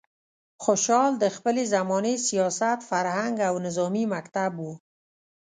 خوشحال د خپلې زمانې سیاست، فرهنګ او نظامي مکتب و.